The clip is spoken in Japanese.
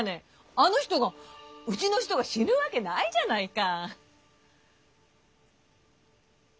あの人がうちの人が死ぬわけないじゃないか。